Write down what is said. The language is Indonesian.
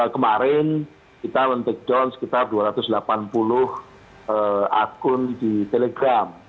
kemarin kita men take down sekitar dua ratus delapan puluh akun di telegram